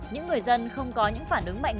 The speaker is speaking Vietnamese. những người dân không có những phản ứng mạnh